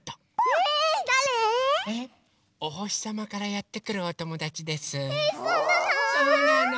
えそうなの？